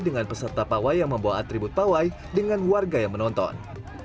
dengan peserta pawai yang membawa atribut pawai dengan warga yang menonton